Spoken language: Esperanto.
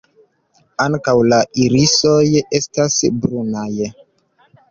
Ankaŭ la irisoj estas brunaj.